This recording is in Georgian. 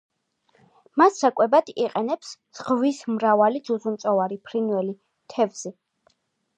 მას საკვებად იყენებს ზღვის მრავალი ძუძუმწოვარი, ფრინველი, თევზი.